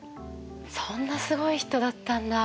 そんなすごい人だったんだ。